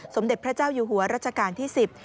สมเด็จพระเจ้าอยู่หัวรัชกาลที่๑๐